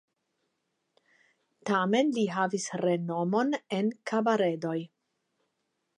Tamen li havis renomon en kabaredoj.